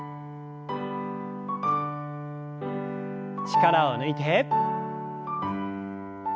力を抜いて。